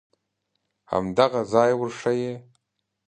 همدغه ځای ورښیې.